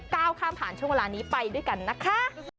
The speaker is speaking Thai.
ก้าวข้ามผ่านช่วงเวลานี้ไปด้วยกันนะคะ